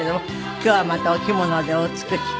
今日はまたお着物でお美しく。